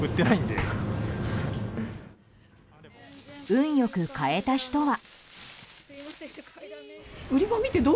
運良く、買えた人は。